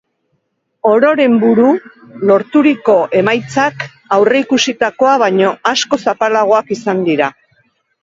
Ororen buru, lorturiko emaitzak aurreikusitakoa baino askoz apalagoak izan dira.